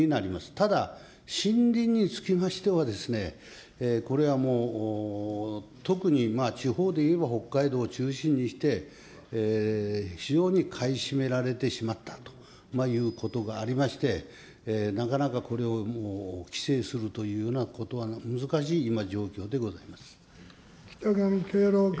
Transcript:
ただ、森林につきましてはですね、これはもう、特に地方でいえば北海道を中心にして、非常に買い占められてしまったということがありまして、なかなかこれをもう規制するというようなことは難しい、北神圭朗君。